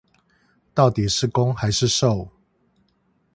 到底是攻還是受